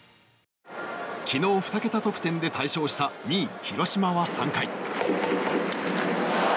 昨日２桁得点で大勝した２位広島は３回。